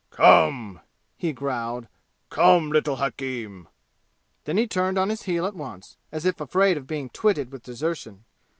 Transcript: "Come!" he growled. "Come, little hakim!" Then he turned on his heel at once, as if afraid of being twitted with desertion.